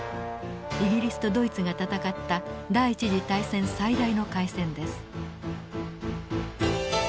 イギリスとドイツが戦った第一次大戦最大の海戦です。